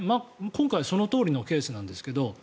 今回、そのとおりのケースなんですが。